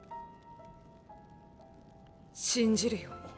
信じるよ。